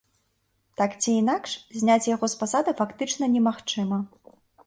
Так ці інакш, зняць яго з пасады фактычна немагчыма.